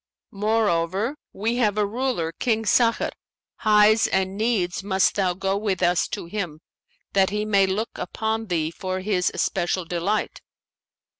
More over, we have a ruler, King Sakhr highs, and needs must thou go with us to him, that he may look upon thee for his especial delight.'